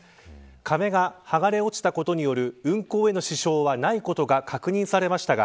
壁がはがれ落ちたことによる運行への支障はないことが確認されましたが